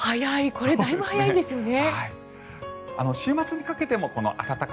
これ、だいぶ早いんですよね。